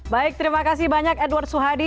baik terima kasih banyak edward suhadi